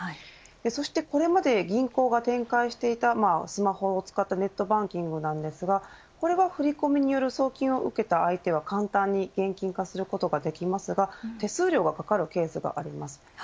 そしてこれまで銀行が展開していたスマホを使ったネットバンキングなんですが振り込みによる送金を受けた相手を簡単に現金化することができますが手数料がかかるケースがあります。